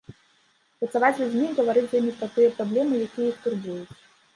Працаваць з людзьмі, гаварыць з імі пра тыя праблемы, якія іх турбуюць.